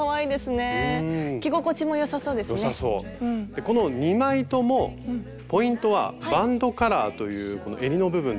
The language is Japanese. でこの２枚ともポイントは「バンドカラー」というこのえりの部分です。